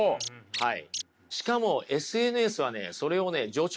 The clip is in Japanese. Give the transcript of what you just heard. はい。